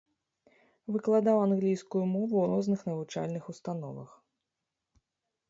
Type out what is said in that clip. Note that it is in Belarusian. Выкладаў англійскую мову ў розных навучальных установах.